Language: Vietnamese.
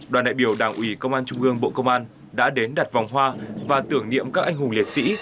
đoàn đại biểu đảng ủy công an trung ương bộ công an đã đến đặt vòng hoa và tưởng niệm các anh hùng liệt sĩ